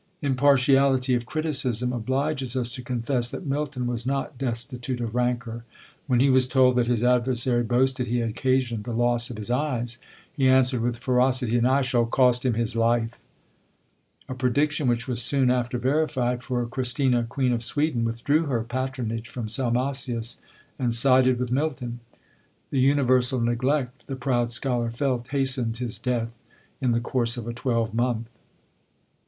Impartiality of criticism obliges us to confess that Milton was not destitute of rancour. When he was told that his adversary boasted he had occasioned the loss of his eyes, he answered, with ferocity "And I shall cost him his life!" A prediction which was soon after verified; for Christina, Queen of Sweden, withdrew her patronage from Salmasius, and sided with Milton. The universal neglect the proud scholar felt hastened his death in the course of a twelve month.